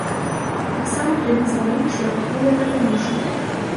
Таксама плялі з галін шыракаполыя капелюшы.